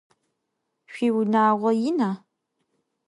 Шъуиунагъо ина?